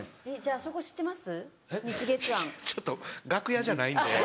「あそこ知ってます？」。